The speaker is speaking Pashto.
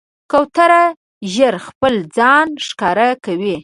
کوتره ژر خپل ځان ښکاره کوي.